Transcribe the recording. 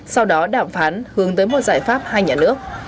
sau đó đàm phán hướng tới một giải pháp hai nhà nước